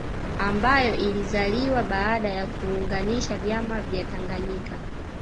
Ambayo ilizaliwa baada ya kuunganisha vyama vya Tanganyika